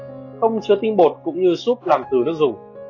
không chứa tinh bột cũng như súp làm từ nước dùng